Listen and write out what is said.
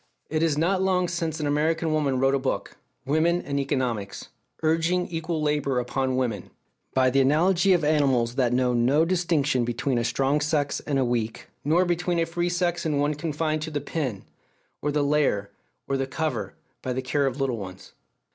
It is not long since an American woman wrote a book, Women and Economics, urging equal labour upon women, by the analogy of animals that know no distinction between a strong sex and a weak, nor between a free sex and one confined to the pen, or the lair, or the cover, by the care of little ones.